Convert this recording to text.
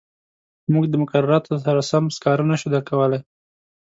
موږ د مقرراتو سره سم سکاره نه شو درکولای.